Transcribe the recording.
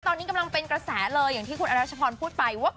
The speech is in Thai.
ตอนนี้กำลังเป็นกระแสเลยอย่างที่คุณอรัชพรพูดไปว่า